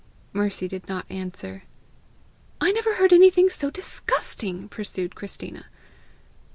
Mercy did not answer. "I never heard anything so disgusting!" pursued Christina.